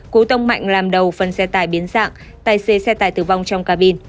cú tông mạnh làm đầu phân xe tải biến dạng tài xe xe tải tử vong trong cabin